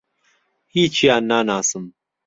هیچیان ناناسم.